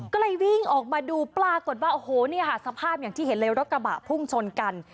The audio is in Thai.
ก็เลยวิ่งออกมาดูปรากฏว่าโอ้โหเนี่ยค่ะสภาพอย่างที่เห็นเลยรถกระบะพุ่งชนกัน